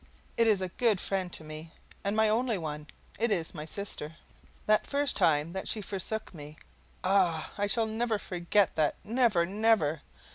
It IS a good friend to me, and my only one; it is my sister. That first time that she forsook me! ah, I shall never forget that never, never.